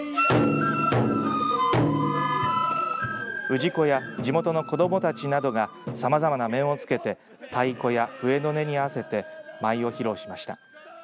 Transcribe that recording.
氏子や地元の子どもたちなどがさまざまな面を着けて太鼓や笛の音に合わせて舞を披露しました。